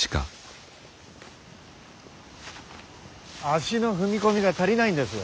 足の踏み込みが足りないんです。